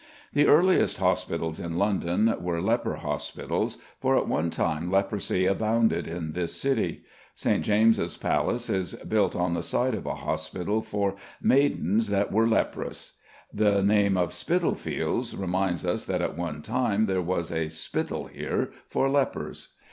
The earliest hospitals in London were leper hospitals, for at one time leprosy abounded in this city. St. James's Palace is built on the site of a hospital for "maidens that were leprous;" the name Spitalfields reminds us that at one time there was a "spittle" here for lepers.